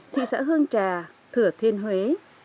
thị xã hương trà thừa thiên huế